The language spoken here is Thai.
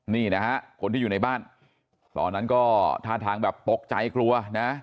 นี่นะฮะคนที่อยู่ในบ้านตอนนั้นก็ท่าทางแบบตกใจกลัวนะ